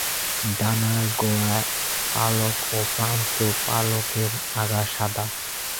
ডানার গোড়ার পালক ও প্রান্ত-পালকের আগা সাদা।